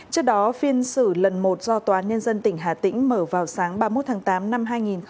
trước đó phiên xử lần một do tòa nhân dân tỉnh hà tĩnh mở vào sáng ba mươi một tháng tám năm hai nghìn hai mươi